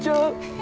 え？